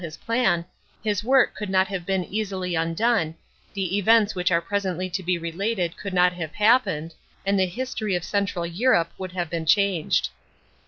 his plan, his work could not have been easily undone, the events which are presently to be related could not have happened, and the history of central Europe would have been changed.